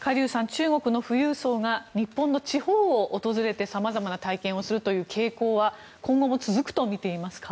中国の富裕層が日本の地方を訪れて様々な体験をするという傾向は今後も続くとみていますか？